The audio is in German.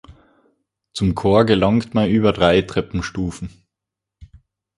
Zum Chor gelangt man über drei Treppenstufen.